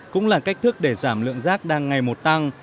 cũng là cách thức để giảm lượng rác đang ngày một tăng